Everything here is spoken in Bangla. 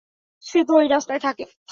সে তো ঐ রাস্তায় থাকে।